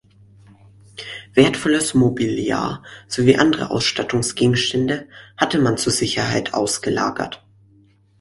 Wertvolles Mobiliar sowie andere Ausstattungsgegenstände hatte man zur Sicherheit ausgelagert.